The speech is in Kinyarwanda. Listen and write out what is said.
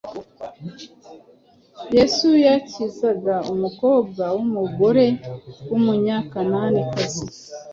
yesu yakizaga umukobwa w’umugore w’umunyakananikazi.